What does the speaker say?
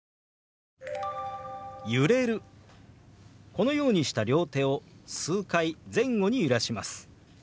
このようにした両手を数回前後に揺らします。